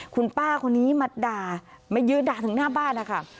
คุณป้าคนนี้มาด่ามายืนด่าถึงหน้าบ้านนะคะ